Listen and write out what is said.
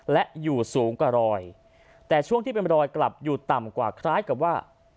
และอยู่สูงกว่ารอยแต่ช่วงที่เป็นรอยกลับอยู่ต่ำกว่าคล้ายกับว่า